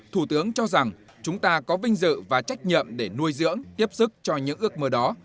thủ tướng cho rằng chúng ta có vinh dự và trách nhậm để nuôi dưỡng tiếp sức cho những ước mơ đó